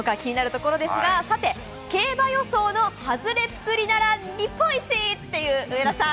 気になるところですが、競馬予想のはずれっぷりなら日本一という上田さん。